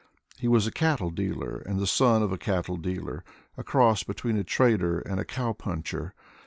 He was a cattle dealer and the son of a cattle dealer: a cross between a trader and a cow puncher.